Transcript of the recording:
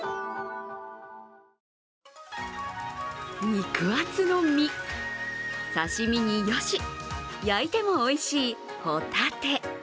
肉厚の身、刺身によし、焼いてもおいしいホタテ。